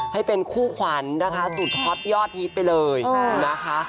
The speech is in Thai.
ให้เป็นคู่ขวัญนะคะสุดฮอตยอดฮิตไปเลยนะคะ